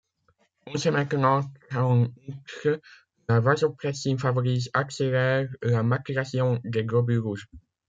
On sait maintenant qu'en outre la vasopressine favorise accélère la maturation des globules rouges.